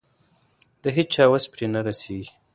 د هيچا وس پرې نه رسېږي.